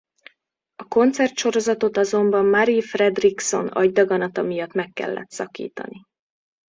A koncertsorozatot azonban Marie Fredriksson agydaganata miatt meg kellett szakítani.